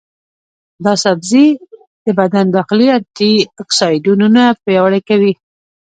دا سبزی د بدن داخلي انټياکسیدانونه پیاوړي کوي.